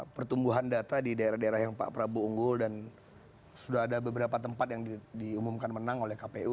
pertumbuhan data di daerah daerah yang pak prabowo unggul dan sudah ada beberapa tempat yang diumumkan menang oleh kpu